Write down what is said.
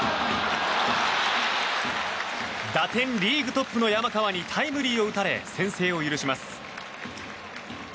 打点リーグトップの山川にタイムリーを打たれ先制を許します。